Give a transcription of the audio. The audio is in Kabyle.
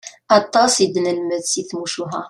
Aṭas i d-nelmed si tmucuha.